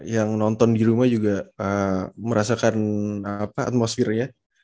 yang nonton di rumah juga merasakan atmosfernya